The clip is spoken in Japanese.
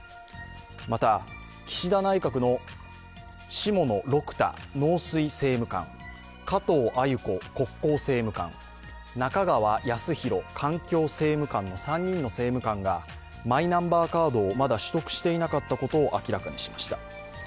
また、岸田内閣の下野六太農水政務官、加藤鮎子国交政務官、中川康洋環境政務官の３人の政務官がマイナンバーカードをまだ取得していなかったことを明らかにしました。